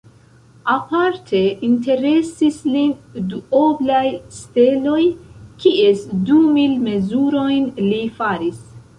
Aparte interesis lin duoblaj steloj, kies du mil mezurojn li faris.